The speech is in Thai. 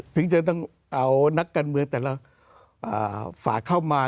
ถึงจะต้องเอานักการเมืองแต่ละฝากเข้ามา